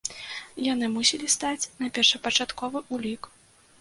Яны мусілі стаць на першапачатковы ўлік.